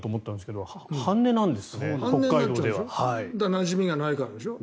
なじみがないからでしょ。